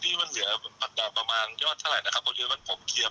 เพราะว่าคดีตอนนี้มันมันคดีใหญ่แล้วผมก็เสียกันตลายอีก